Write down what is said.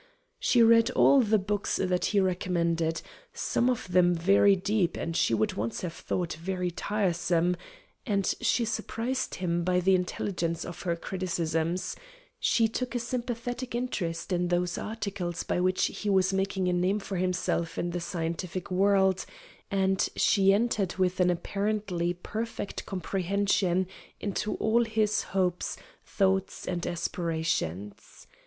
She read all the books that he recommended some of them very deep, and she would once have thought very tiresome and she surprised him by the intelligence of her criticisms, she took a sympathetic interest in those articles by which he was making a name for himself in the scientific world, and she entered with an apparently perfect comprehension into all his hopes, thoughts and aspirations.